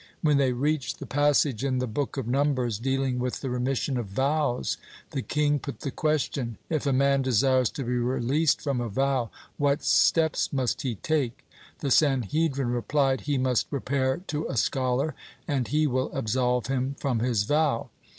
When they reached the passage in the Book of Numbers dealing with the remission of vows, the king put the question: "If a man desires to be released from a vow, what steps must he take?" The Sanhedrin replied: "He must repair to a scholar, and he will absolve him from his vow."